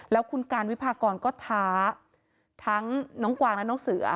แล้วคุณการวิพากรก็ท้าทั้งน้องกวางและน้องเสือ